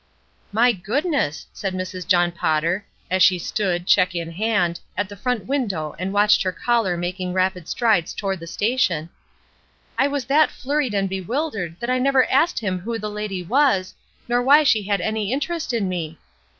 ''My goodness!" said Mrs. John Potter, as she stood, check in hand, at the front window and watched her caller making rapid strides toward the station, "I was that flurried and bewildered that I never asked him who the lady was, nor why she had any interest in me.